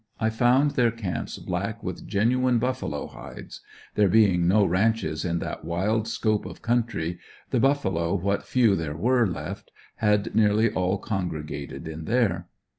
I found their camps black with genuine buffalo hides. There being no ranches in that wild scope of country the buffalo, what few there were left, had nearly all congregated in there.